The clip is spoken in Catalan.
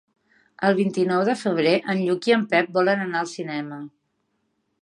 El vint-i-nou de febrer en Lluc i en Pep volen anar al cinema.